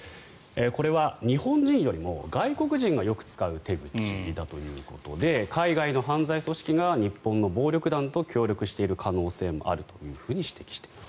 これは日本人よりも外国人がよく使う手口だということで海外の犯罪組織が日本の暴力団と協力している可能性もあるというふうに指摘しています。